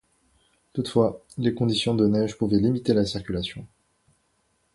Toutefois, les conditions de neige pouvaient limiter la circulation.